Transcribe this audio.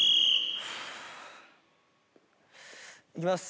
いきます。